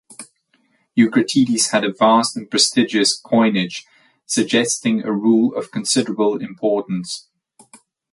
Eucratides had a vast and prestigious coinage, suggesting a rule of considerable importance.